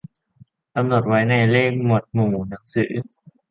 กำหนดไว้ในเลขหมดวหมู่หนังสือ